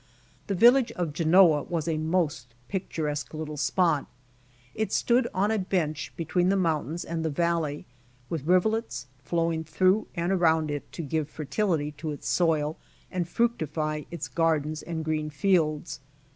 The village of Genoa was a most picturesque little spot. It stood on a bench between the mountains and the valley, with rivulets flowing through and around it to give fer tility to its soil and fructify its gardens and green fields.